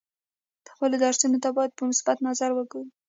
خپلو درسونو ته باید په مثبت نظر وګورو.